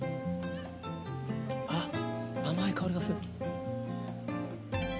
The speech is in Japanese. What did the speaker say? あっ、甘い香りがする。